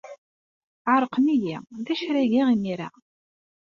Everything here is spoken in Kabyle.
Ɛerqent-iyi. D acu ara geɣ imir-a?